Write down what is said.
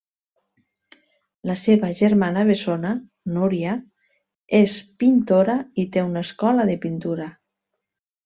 La seva germana bessona, Núria, és pintora i té una escola de pintura.